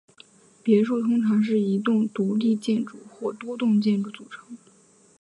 别墅通常是一栋独立建筑或多栋建筑组成。